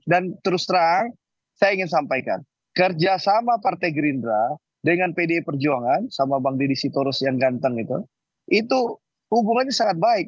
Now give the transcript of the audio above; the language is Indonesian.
dan terus terang saya ingin sampaikan kerjasama partai gerindra dengan pdi perjuangan sama bang didi sitorus yang ganteng itu hubungannya sangat baik